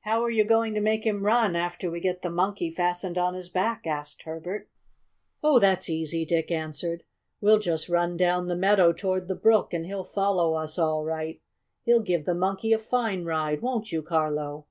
"How are you going to make him run, after we get the Monkey fastened on his back?" asked Herbert. "Oh, that's easy," Dick answered. "We'll just run down the meadow toward the brook and he'll follow us all right. He'll give the Monkey a fine ride, won't you, Carlo?"